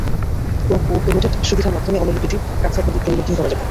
Crop ও rotate সুবিধার মাধ্যমে অনুলিপিটি কাটছাঁট বা দিক পরিবর্তন করা যাবে।